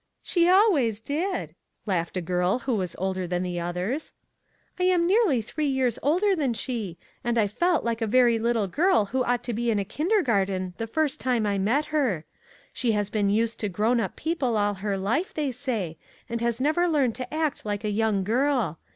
" She always did," laughed a girl who was older than the others. " I am nearly three years older than she, and I felt like a very little girl who ought to be in a kindergarten the first time I met her. She has been used to grown up people all her life, they say, and has never learned to act like a young girl.